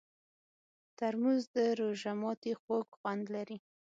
ترموز د روژه ماتي خوږ خوند لري.